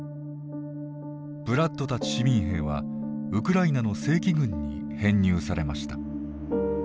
ブラッドたち市民兵はウクライナの正規軍に編入されました。